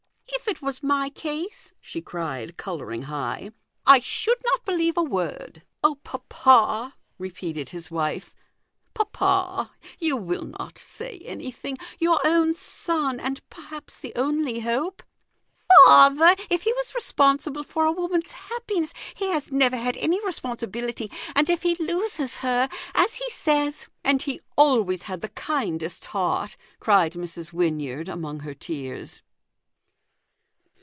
"If it was my case," she cried, colouring high, " I should not believe a word !"" Oh, papa," repeated his wife, " papa ! you will not say anything ! Your own son, and perhaps the only hope." " Father, if he was responsible for a woman's happiness he has never had any responsibility : and if he loses her as he says " u And he always had the kindest heart !" cried Mrs. Wynyard, among her tears.